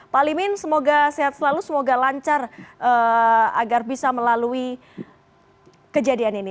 pak limin semoga sehat selalu semoga lancar agar bisa melalui kejadian ini